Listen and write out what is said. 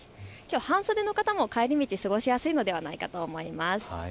半袖の方も帰り道、過ごしやすいのではないかと思います。